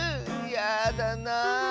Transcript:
やだなあ。